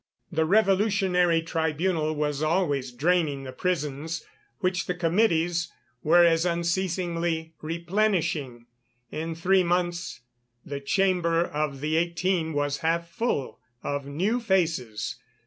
The Revolutionary Tribunal was always draining the prisons, which the Committees were as unceasingly replenishing; in three months the chamber of the eighteen was half full of new faces.